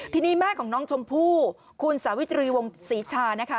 ทีนี้แม่ของน้องชมพู่คุณสาวิตรีวงศรีชานะคะ